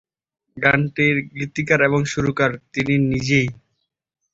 গানটির গীতিকার এবং সুরকার তিনি নিজেই।